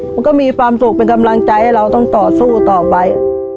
มันก็มีความสุขเป็นกำลังใจให้เราต้องต่อสู้ต่อไป